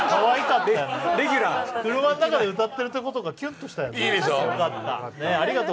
車の中で歌ってるところとか、キュンとしたよね。